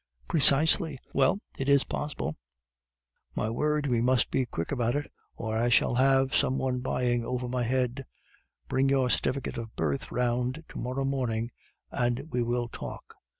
"'Precisely.' "'Well?' "'It is possible.' "'My word, we must be quick about it, or I shall have some one buying over my head.' "'Bring your certificate of birth round to morrow morning, and we will talk.